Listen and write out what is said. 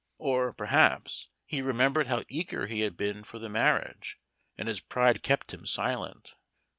Or, perhaps, he remembered how eager he had been for the marriage, and his pride kept him silent.